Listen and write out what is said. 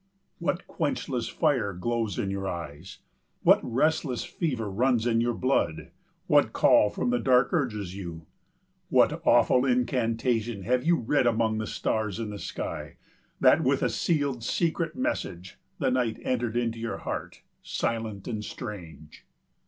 What quenchless fire glows in your eyes? What restless fever runs in your blood? What call from the dark urges you? What awful incantation have you read among the stars in the sky, that with a sealed secret message the night entered your heart, silent and strange?